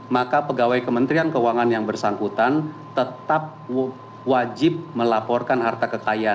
maka pegawai kementerian keuangan yang bersangkutan tetap wajib melaporkan harta kekayaan